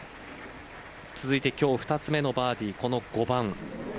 続いて今日２つ目のバーディーこの５番。